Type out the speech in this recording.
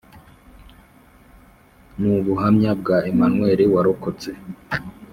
n ubuhamya bwa Emmanuel warokotse